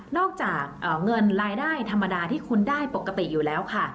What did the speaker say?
อกจากเงินรายได้ธรรมดาที่คุณได้ปกติอยู่แล้วค่ะ